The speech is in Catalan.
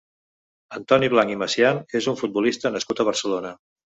Antoni Blanch i Macian és un futbolista nascut a Barcelona.